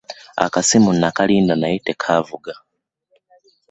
Akasimu nakalinda naye tekaavuga.